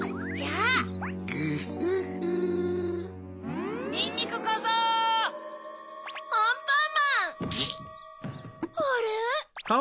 あれ？